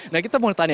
nah kita mau tanya